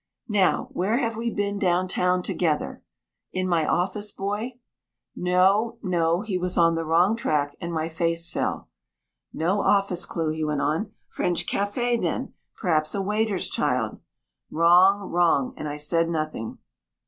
"Now, where have we been down town together? In my office, Boy?" No, no, he was on the wrong track, and my face fell. "No office clue," he went on. "French café, then perhaps a waiter's child." Wrong, wrong, and I said nothing.